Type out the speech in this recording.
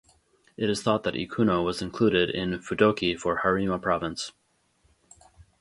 It is thought that Ikuno was included in Fudoki for Harima Province.